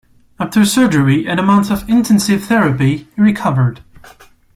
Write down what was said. After surgery and a month of intensive therapy, he recovered.